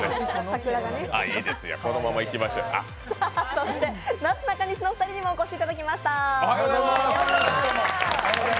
そしてなすなかにしに２人にもお越しいただきました。